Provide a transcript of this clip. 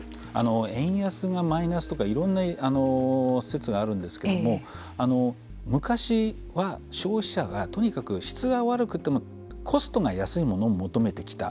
円安がマイナスとかいろんな説があるんですけども昔は消費者でとにかく質が悪くてもコストが安いものを求めてきた。